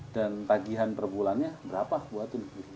dan tagihan perbulannya berapa buat